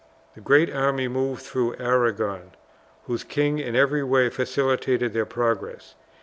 The great army moved through Arragon, whose king in every way facilitated their progress.